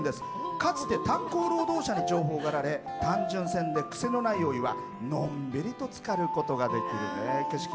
かつて、炭鉱労働者に重宝がられ単純泉で癖のないお湯はのんびりとつかることができるんです。